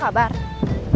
kamu mau kerja di sini